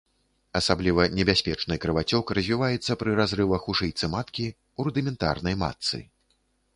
Асабліва небяспечны крывацёк развіваецца пры разрывах у шыйцы маткі, у рудыментарнай матцы.